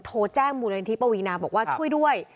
โทรแจ้งมูลนิธิปวีนาบอกว่าช่วยด้วย